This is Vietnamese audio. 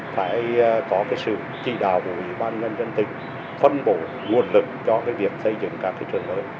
phải có cái sự chỉ đạo của ủy ban nhân dân tịch phân bổ nguồn lực cho cái việc xây dựng các cái trường mới